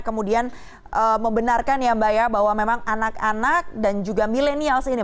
kemudian membenarkan ya mbak ya bahwa memang anak anak dan juga millenials ini